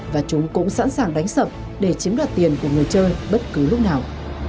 và chúng cũng sẵn sàng đánh sập để chiếm đoạt tiền của người chơi bất cứ lúc nào